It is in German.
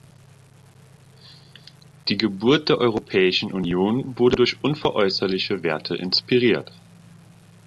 Die Geburt der Europäischen Union wurde durch unveräußerliche Werte inspiriert.